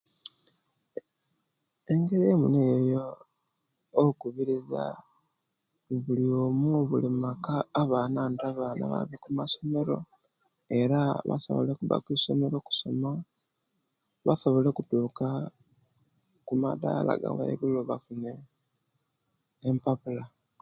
Engeri eyimu niyo eyo okubiriza buliyomu bull Maka abaana abaana babe okumasomero era basobole okuba okwisomero basobole okusoma Basobole okutuka kumadala gawangulu bafune empapulo